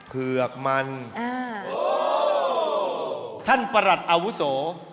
เผือกมันอ่าท่านประหลัดอาวุโส